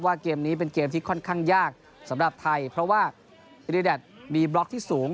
เกมนี้เป็นเกมที่ค่อนข้างยากสำหรับไทยเพราะว่าอิริแดดมีบล็อกที่สูง